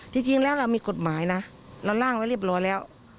จริงแล้วเรามีกฎหมายนะเราร่างไว้เรียบร้อยแล้ว